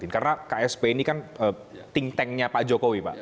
karena ksp ini kan ting tangnya pak jokowi pak